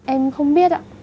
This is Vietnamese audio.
em không biết ạ